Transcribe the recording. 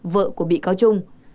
vợ của bị cáo trung